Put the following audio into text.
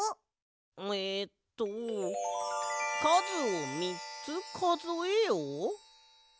えっと「かずをみっつかぞえよ」？